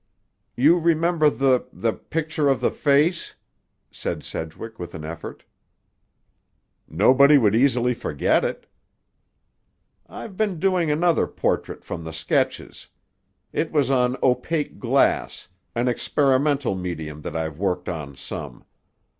"You remember the—the picture of the face?" said Sedgwick with an effort. "Nobody would easily forget it." "I've been doing another portrait from the sketches. It was on opaque glass, an experimental medium that I've worked on some.